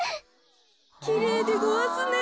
きれいでごわすね。